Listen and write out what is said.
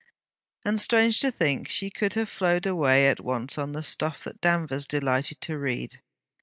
And strange to think, she could have flowed away at once on the stuff that Danvers delighted to read!